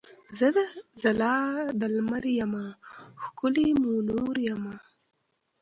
زه ځلا د لمر یمه ښکلی مونور یمه.